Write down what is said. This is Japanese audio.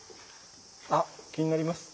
あ気になります？